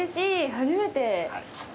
初めて。